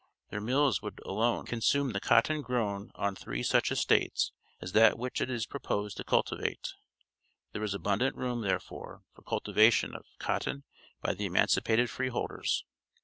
Their mills would alone, consume the cotton grown on three such estates as that which it is proposed to cultivate. There is abundant room, therefore, for cultivation of cotton by the emancipated freeholders.